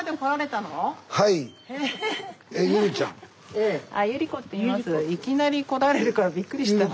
いきなり来られるからびっくりした。